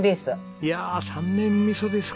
いや３年味噌ですか。